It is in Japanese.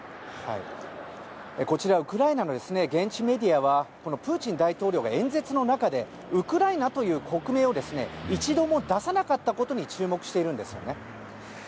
ウクライナの現地メディアはプーチン大統領が演説の中でウクライナという国名を一度も出さなかったことに注目しているんです。